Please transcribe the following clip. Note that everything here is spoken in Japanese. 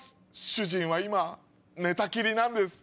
主人は今寝たきりなんです。